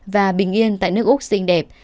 và bình yên tại nước úc xinh đẹp